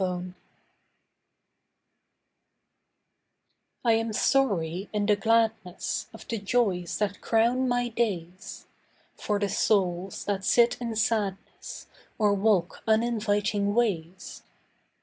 SHADOWS I am sorry in the gladness Of the joys that crown my days, For the souls that sit in sadness Or walk uninviting ways.